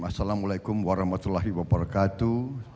assalamualaikum warahmatullahi wabarakatuh